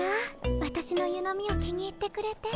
わたしの湯飲みを気に入ってくれて。